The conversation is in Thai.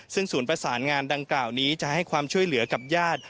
ซึ่งศูนย์ประสานงานดังกล่าวนี้จะให้ความช่วยเหลือกับญาติ